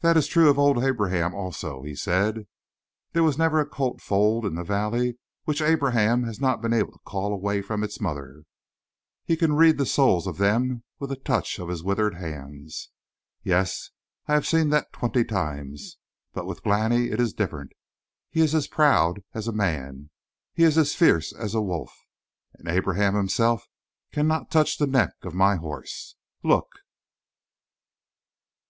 "That is true of old Abraham, also," he said. "There was never a colt foaled in the valley which Abraham had not been able to call away from its mother; he can read the souls of them all with a touch of his withered hands. Yes, I have seen that twenty times. But with Glani it is different. He is as proud as a man; he is fierce as a wolf; and Abraham himself cannot touch the neck of my horse. Look!"